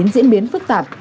diễn biến phức tạp